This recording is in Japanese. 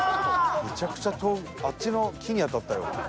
めちゃくちゃ遠いあっちの木に当たったよ。